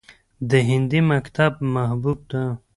د هندي مکتب محبوب ته